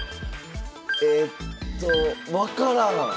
えっと分からん！